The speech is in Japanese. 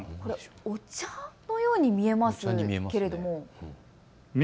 お茶のように見えますけれども。